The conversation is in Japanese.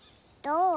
どう？